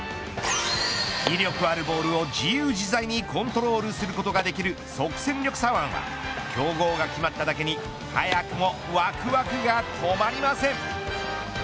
威力あるボールを自由自在にコントロールすることができる即戦力左腕は競合が決まっただけに早くもわくわくが止まりません。